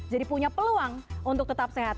jadi punya peluang untuk tetap sehat